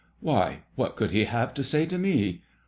" Why, what could he have to say to me